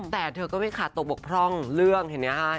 แต่เธอก็ไม่ขาดตัวบกพร่องเรื่องเห็นไหมคะ